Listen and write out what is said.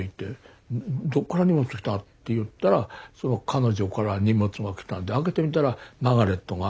どこから荷物来た？って言ったらその彼女から荷物が来たんで開けてみたら「マーガレット」が。